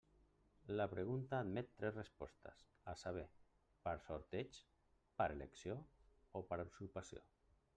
La pregunta admet tres respostes, a saber, per sorteig, per elecció o per usurpació.